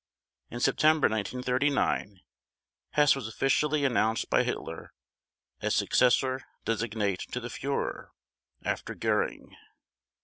In September 1939 Hess was officially announced by Hitler as successor designate to the Führer after Göring.